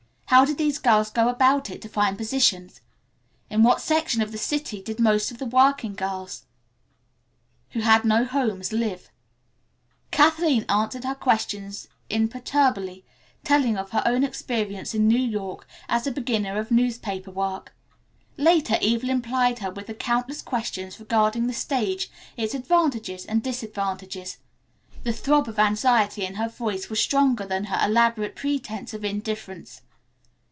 How did these girls go about it to find positions? In what section of the city did most of the working girls, who had no homes, live? Kathleen answered her questions imperturbably, telling of her own experience in New York as a beginner of newspaper work. Later Evelyn plied her with countless questions regarding the stage, its advantages and disadvantages. The throb of anxiety in her voice was stronger than her elaborate pretense of indifference.